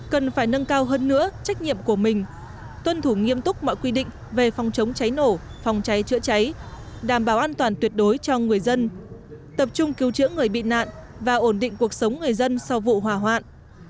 cần phải nâng cao hơn nữa trách nhiệm của mình tuân thủ nghiêm túc mọi quy định về phòng chống cháy nổ phòng cháy chữa cháy đảm bảo an toàn tuyệt đối cho người dân tập trung cứu chữa người bị nạn và ổn định cuộc sống người dân sau vụ hỏa hoạn